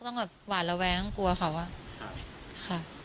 ต้องแบบหวาดระแวงต้องกลัวเขาอะค่ะ